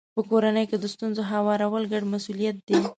په کورنۍ کې د ستونزو هوارول ګډ مسولیت دی.